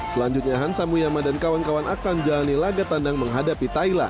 selanjutnya hansa muyama dan kawan kawan akan menjalani laga tandang menghadapi thailand